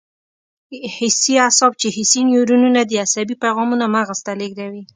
حسي اعصاب چې حسي نیورونونه دي عصبي پیغامونه مغز ته لېږدوي.